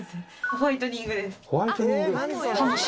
ホワイトニング？